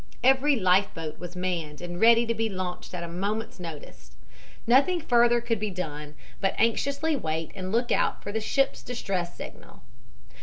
Every life boat was manned and ready to be launched at a moment's notice. Nothing further could be done but anxiously wait and look out for the ship's distress signal.